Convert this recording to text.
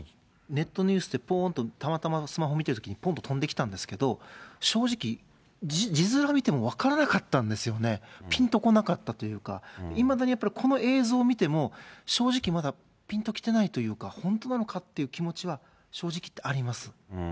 ネットニュースでぽーんと、たまたまスマホ見てるときに、ぽんと飛んできたんですけど、正直、字面見ても分からなかったんですよね、ピンとこなかったっていうか、いまだにやっぱりこの映像を見ても、正直まだ、ピンときてないというか、本当なのかっていう気持ちは、正直言ってあります。